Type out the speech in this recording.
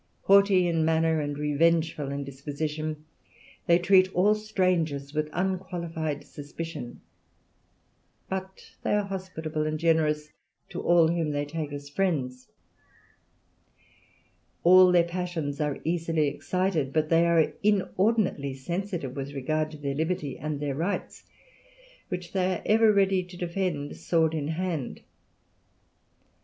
Haughty in manner and revengeful in disposition, they treat all strangers with unqualified suspicion, but they are hospitable and generous to all whom they take as friends. All their passions are easily excited, but they are inordinately sensitive with regard to their liberty and their rights, which they are ever ready to defend sword in hand.